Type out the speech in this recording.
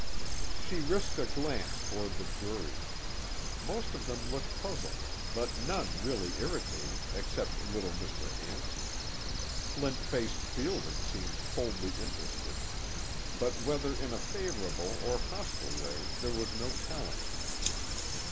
She risked a glance toward the jury. Most of them looked puzzled, but none really irritated except little Mr. Anson; Flint face Fielding seemed coldly interested, but whether in a favorable or hostile way there was no telling.